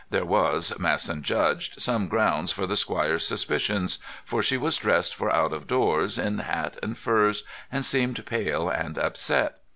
There was, Masson judged, some grounds for the squire's suspicions, for she was dressed for out of doors, in hat and furs, and seemed pale and upset.